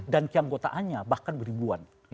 dan keanggotaannya bahkan beribuan